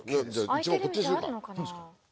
一番こっちにしようか。